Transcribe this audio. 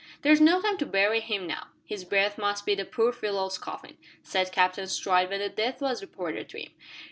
"There's no time to bury him now. His berth must be the poor fellow's coffin," said Captain Stride, when the death was reported to him.